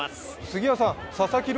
杉谷さん、佐々木朗